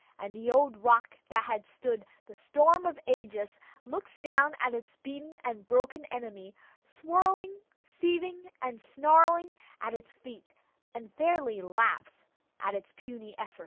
And the old rock that has stood the storms of ages, looks down at its beaten and broken enemy, swirling, seething, and snarling at its feet, and fairly laughs at its puny efforts.